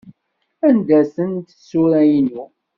Anda-tent tsura-inu?